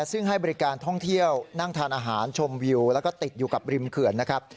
ซึ่งให้บริการท่องเที่ยวนั่งทานอาหารชมวิวแล้วก็ติดอยู่กับริมเขื่อนนะครับ